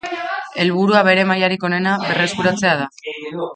Helburua, bere mailarik onena berreskuratzea da.